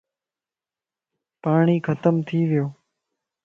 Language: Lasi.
پاٽي ختم ٿي ويو.